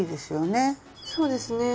そうですね。